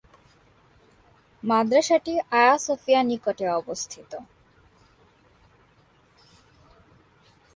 মাদ্রাসাটি Aya Sofia নিকটে অবস্থিত।